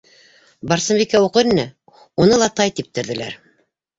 Барсынбикә уҡыр ине - уны ла тай типтерҙеләр.